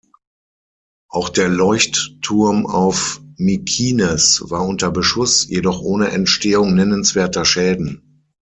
Auch der Leuchtturm auf Mykines war unter Beschuss, jedoch ohne Entstehung nennenswerter Schäden.